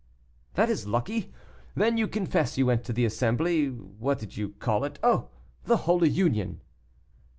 "That is lucky. Then you confess you went to the assembly; what did you call it? Oh! the Holy Union."